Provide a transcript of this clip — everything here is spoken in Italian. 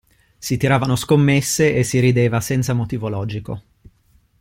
Si tiravano scommesse e si rideva senza motivo logico.